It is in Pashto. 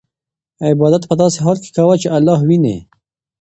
عبادت په داسې حال کې کوه چې الله وینې.